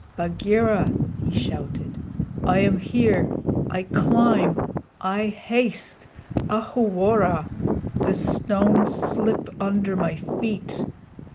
"Bagheera," he shouted, "I am here. I climb! I haste! Ahuwora! The stones slip under my feet!